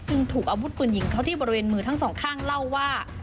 ซึ่งถูกอาวุธปืนยิงเขาที่บริเวณมือทั้งสองข้างเล่าว่า